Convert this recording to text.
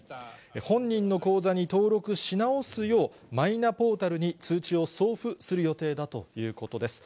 本人の口座に登録し直すよう、マイナポータルに通知を送付する予定だということです。